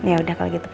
yaudah kalau gitu pak